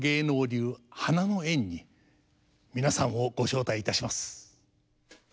流花の宴に皆さんをご招待いたします。